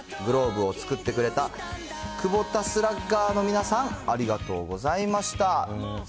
そして、グローブを作ってくれた、久保田スラッガーの皆さんありがとうございました。